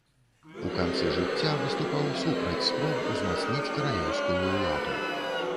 У канцы жыцця выступаў супраць спроб узмацніць каралеўскую ўладу.